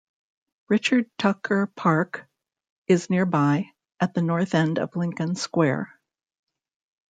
Richard Tucker Park is nearby, at the north end of Lincoln Square.